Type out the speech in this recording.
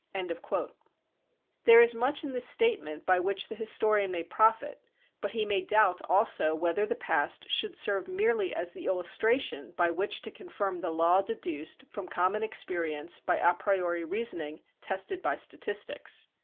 [333:1] There is much in this statement by which the historian may profit, but he may doubt also whether the past should serve merely as the "illustration" by which to confirm the law deduced from common experience by a priori reasoning tested by statistics.